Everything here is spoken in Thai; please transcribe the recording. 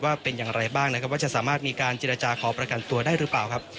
ว่าเป็นอย่างไรบ้างนะครับว่าจะสามารถมีการเจรจาขอประกันตัวได้หรือเปล่าครับ